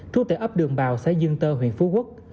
trú tại ấp đường bào xã dương tơ huyện phú quốc